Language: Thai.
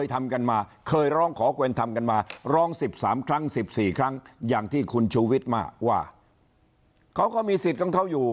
อย่างที่คุณชูวิทย์มากว่าเขาก็มีสิทธิ์ของเขาอยู่